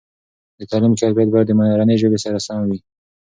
دتعلیم کیفیت باید د مورنۍ ژبې سره سم وي.